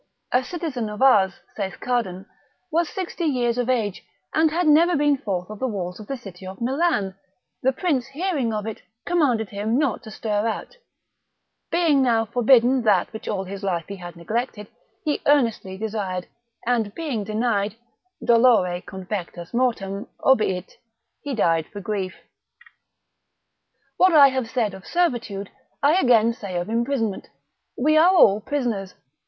A citizen of ours, saith Cardan, was sixty years of age, and had never been forth of the walls of the city of Milan; the prince hearing of it, commanded him not to stir out: being now forbidden that which all his life he had neglected, he earnestly desired, and being denied, dolore confectus mortem, obiit, he died for grief. What I have said of servitude, I again say of imprisonment, we are all prisoners.